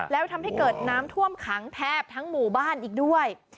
แล้วทำให้เกิดน้ำท่วมขังแทบทั้งหมู่บ้านอีกด้วย